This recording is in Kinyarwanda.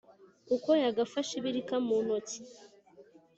uko yagafashe ibirika mu ntoki,